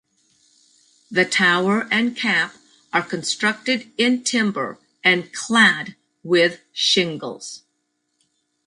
The tower and cap are constructed in timber and clad with shingles.